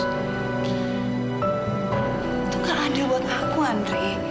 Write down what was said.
itu gak adil buat aku andre